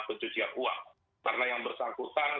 pencucian uang karena yang bersangkutan